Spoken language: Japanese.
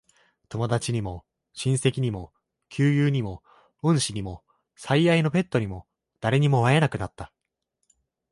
友達にも、親戚にも、旧友にも、恩師にも、最愛のペットにも、誰にも会えなくなった。